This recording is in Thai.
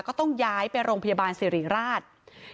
ก็ต้องย้ายไปโรงพยาบาลสิริราช